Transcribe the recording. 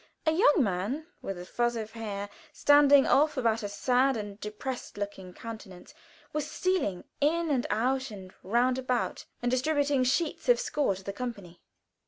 A young man with a fuzz of hair standing off about a sad and depressed looking countenance was stealing "in and out and round about," and distributing sheets of score to the company.